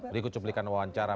berikut cuplikan wawancara